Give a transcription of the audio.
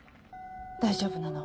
大丈夫なの？